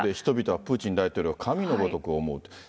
人々はプーチン大統領を神のごとく思うと。